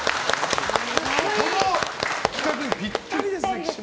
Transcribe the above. この企画にぴったりですね。